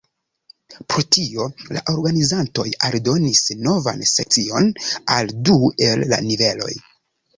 Pro tio, la organizantoj aldonis novan sekcion al du el la niveloj.